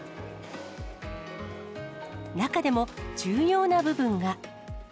中でも、重要な部分が。